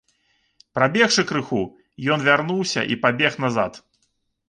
Прабегшы крыху, ён вярнуўся і пабег назад.